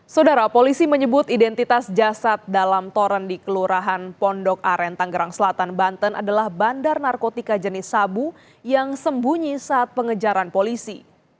saudara polisi menyebut identitas jasad dalam toren di kelurahan pondok aren tanggerang selatan banten adalah bandar narkotika jenis sabu yang sembunyi saat pengejaran polisi